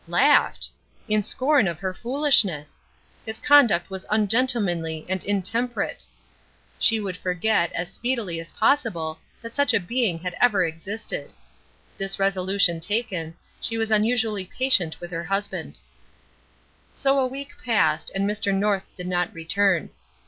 Laughed! In scorn of her foolishness! His conduct was ungentlemanly and intemperate. She would forget, as speedily as possible, that such a being had ever existed. This resolution taken, she was unusually patient with her husband. So a week passed, and Mr. North did not return.